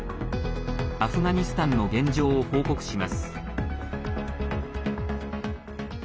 アフガニスタンの現状を報告します。